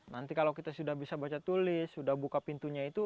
nanti kalau kita sudah bisa baca tulis sudah buka pintunya itu